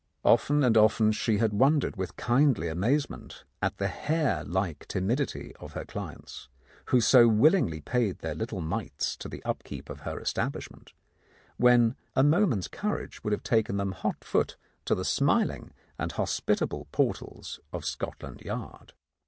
Often and often she had wondered with kindly amazement at the hare like timidity of her clients, who so will ingly paid their little mites to the upkeep of her establishment, when a moment's courage would have taken them hot foot to the smiling and hospitable portals of Scotland Yard.